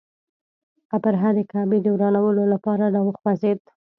ابرهه د کعبې د ورانولو لپاره را وخوځېد.